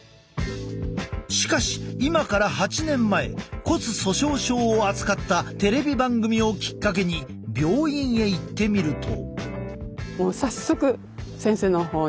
しかし今から８年前骨粗しょう症を扱ったテレビ番組をきっかけに病院へ行ってみると。